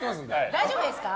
大丈夫ですか？